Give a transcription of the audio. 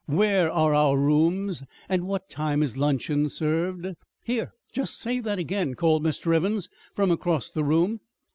Where are our rooms, and what time is luncheon served.'" "Here! Just say that again," called Mr. Evans from across the room.